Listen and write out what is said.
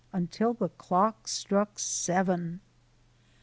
until the clock struck seven.